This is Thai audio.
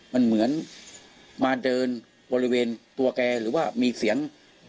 มันเหมือนมาเดินบริเวณตัวแกหรือว่ามีเสียง